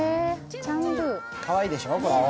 かわいいでしょ、これ。